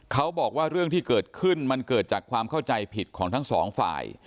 เขาบอกว่าเรื่องที่เกิดขึ้นมันเกิดจากความเข้าใจผิดของทั้งสองฝ่าย